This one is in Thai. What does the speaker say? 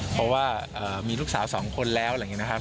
เพราะว่ามีลูกสาวสองคนแล้ว